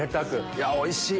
いやおいしい！